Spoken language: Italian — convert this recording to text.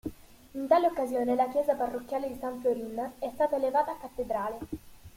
In tale occasione la chiesa parrocchiale di San Florin è stata elevata a cattedrale.